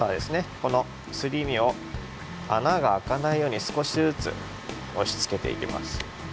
このすり身をあながあかないようにすこしずつ押しつけていきます。